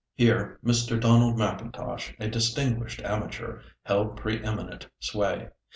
Here Mr. Donald M'Intosh, a distinguished amateur, held pre eminent sway.